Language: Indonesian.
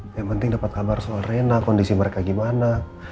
yang penting dapat kabar soal rena kondisi mereka gimana